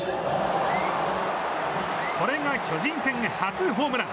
これが巨人戦初ホームラン。